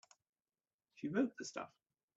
She wrote the stuff.